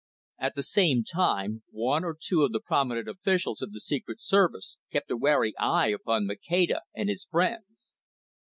At the same time, one or two of the prominent officials of the Secret Service kept a wary eye upon Maceda and his friends.